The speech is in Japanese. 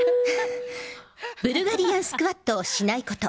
ブルガリアン・スクワットをしないこと。